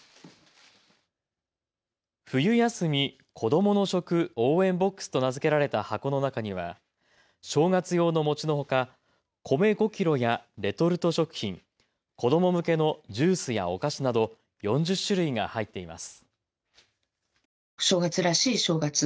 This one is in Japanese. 冬休み・子どもの食応援ボックスと名付けられた箱の中には正月用の餅のほか米５キロやレトルト食品、子ども向けのジュースやお菓子など４０種類が入っています。